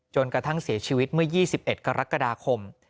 กระทั่งเสียชีวิตเมื่อ๒๑กรกฎาคม